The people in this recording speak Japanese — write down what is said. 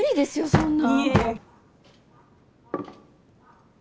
そんな！